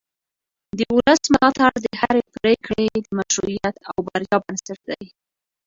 د ولس ملاتړ د هرې پرېکړې د مشروعیت او بریا بنسټ دی